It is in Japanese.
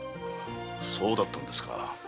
そうだったんですか。